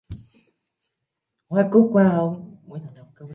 Hoa cúc hoa hồng